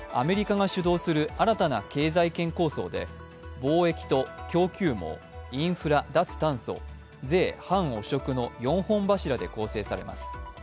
アメリカが主導する新たな経済圏構想で貿易と供給網、インフラ・脱炭素、税・反汚職の４本柱で構成します。